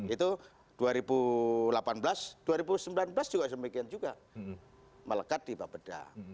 itu dua ribu delapan belas dua ribu sembilan belas juga semikian juga melekat di bapeda